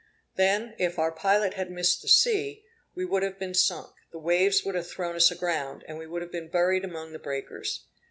Then, if our pilot had missed the sea, we would have been sunk; the waves would have thrown us aground, and we would have been buried among the breakers.